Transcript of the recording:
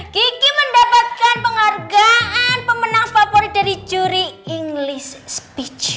kiki mendapatkan penghargaan pemenang favorit dari juri inggris speech